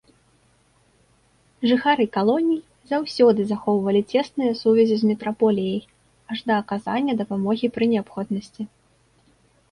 Жыхары калоній заўсёды захоўвалі цесныя сувязі з метраполіяй, аж да аказання дапамогі пры неабходнасці.